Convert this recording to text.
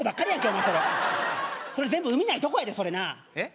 お前それ全部海ないとこやでそれなえっ？